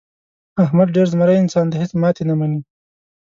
احمد ډېر زمری انسان دی. هېڅ ماتې نه مني.